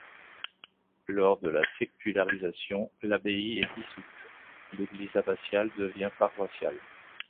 Lors de la sécularisation, l'abbaye est dissoute, l'église abbatiale devient paroissiale.